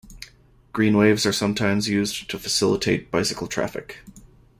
Green waves are sometimes used to facilitate bicycle traffic.